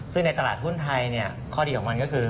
ซึ่งในตลาดหุ้นไทยข้อดีของมันก็คือ